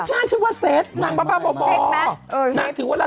ไม่ใช่ชื่อว่าเซ็ตนางพระพระก็บ่อยถักถือว่า